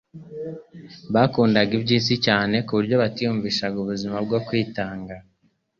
bakundaga iby'isi cyane ku buryo batiyumvishaga ubuzima bwo kwitanga.